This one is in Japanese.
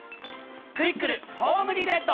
クイックルホームリセット！